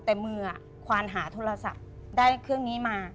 แต่มือควานหาโทรศัพท์ได้เครื่องนี้มา